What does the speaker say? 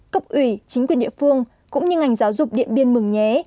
cấp ủy chính quyền địa phương cũng như ngành giáo dục điện biên mường nhé